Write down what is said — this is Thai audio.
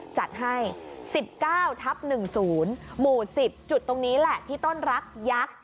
จัดให้๑๙ทับ๑๐หมู่๑๐จุดตรงนี้แหละที่ต้นรักยักษ์